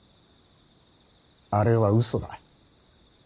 あれは嘘だ。